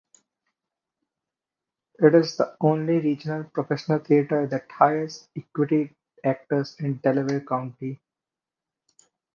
It is the only regional professional theater that hires equity actors in Delaware County.